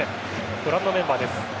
ご覧のメンバーです。